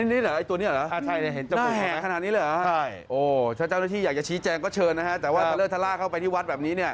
ตัวนี้เหรอถ้าเจ้าหน้าที่อยากชี้แจงก็เชิญนะแต่ว่าถ้าเลิกทราบเข้าไปที่วัดแบบนี้